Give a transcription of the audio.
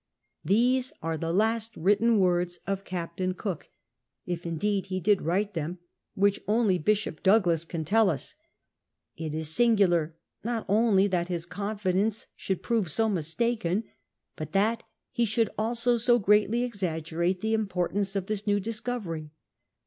These are the last written words of Captain Cook, if indeed he did write them, which only Bishop Douglas X LAST WORDS OF COOK 145 can toll u& It is singular not only that his confidence should prove so mistaken, but that he should also so greatly exaggerate the importance of this new discovery.